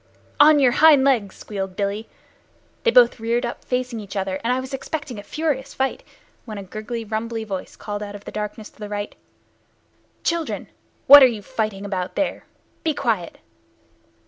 "On your hind legs!" squealed Billy. They both reared up facing each other, and I was expecting a furious fight, when a gurgly, rumbly voice, called out of the darkness to the right "Children, what are you fighting about there? Be quiet."